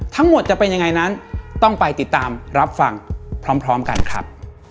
ทั้งหมดจะเป็นยังไงนั้นต้องไปติดตามรับฟังพร้อมกันครับ